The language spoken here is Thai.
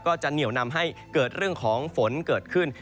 ก็จะเหนียวนำให้เกิดเรื่องของฝนเกิดขึ้น